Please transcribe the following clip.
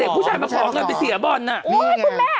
เด็กผู้ชายมาขอกลัวไปเสียบอลน่ะโอ้โฮคุณแม่นี่ไง